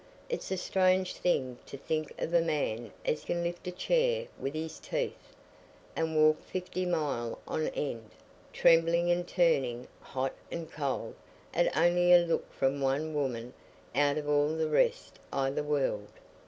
It's a strange thing to think of a man as can lift a chair with his teeth and walk fifty mile on end, trembling and turning hot and cold at only a look from one woman out of all the rest i' the world.